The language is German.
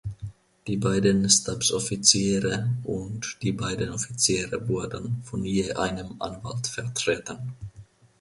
Die beiden Stabsoffiziere und die beiden Offiziere wurden von je einem Anwalt vertreten.